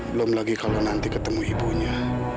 belum lagi kalau nanti ketemu ibunya